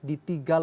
di tiga lokasi